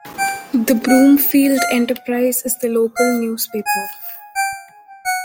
The "Broomfield Enterprise" is the local newspaper.